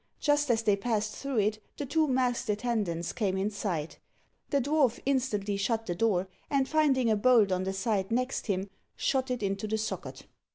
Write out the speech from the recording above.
Just as they passed through it, the two masked attendants came in sight. The dwarf instantly shut the door, and finding a bolt on the side next him, shot it into the socket.